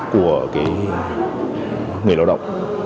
của cái người lao động